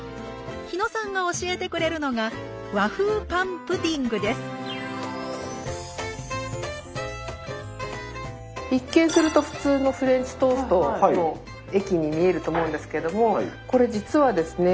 ひのさんが教えてくれるのが一見すると普通のフレンチトーストの液に見えると思うんですけどもこれ実はですね